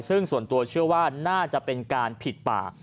ซึ่งส่วนตัวเชื่อว่าน่าจะเป็นการผิดป่า